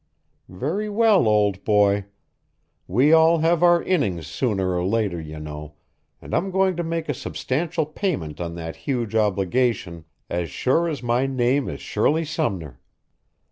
Very well, old boy. We all have our innings sooner or later, you know, and I'm going to make a substantial payment on that huge obligation as sure as my name is Shirley Sumner.